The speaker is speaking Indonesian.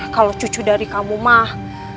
kalau cucu dari kamu mah